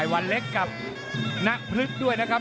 วันเล็กกับณพลึกด้วยนะครับ